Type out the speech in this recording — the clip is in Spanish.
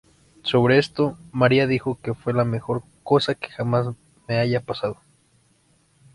Sobre esto, Maria dijo que fue "la mejor cosa que jamás me haya pasado".